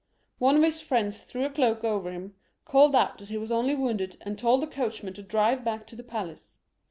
One of his friends threw a cloak over him, called out that he was only wounded, and told the coachman to drive back to the palace.